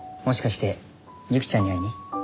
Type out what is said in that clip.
もしかしてユキちゃんに会いに？